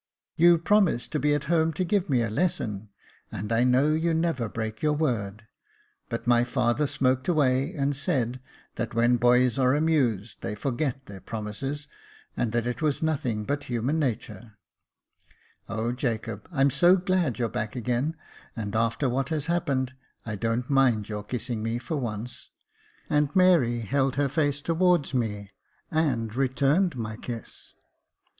You promised to be at home to give me my lesson, and I know you never break your word ; but my father smoked away, and said, that when boys are amused, they forget their promises, and that it was nothing but human natur. O Jacob, I'm so glad you're back again, and after what has happened, I don't mind your kissing me for once." And Mary held her face towards me, and returned my kiss.